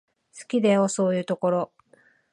好きだよ、そういうところ。